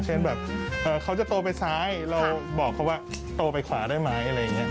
เช่นแบบเขาจะโตไปซ้ายเราบอกเขาว่าโตไปขวาได้ไหมอะไรอย่างนี้